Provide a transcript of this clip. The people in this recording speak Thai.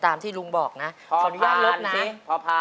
อันนี้เด็กเขียนเองนะฮะ